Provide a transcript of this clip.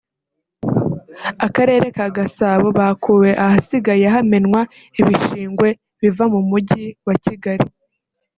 Akarere ka Gasabo bakuwe ahasigaye hamenwa ibishingwe biva mu Mujyi wa Kigali